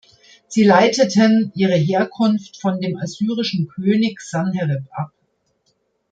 Sie leiteten ihre Herkunft von dem assyrischen König Sanherib ab.